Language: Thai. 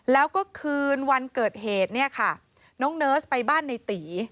แล้วก็คืนวันเกิดเหตุเนี่ยค่ะน้องเนิร์สไปบ้านในตี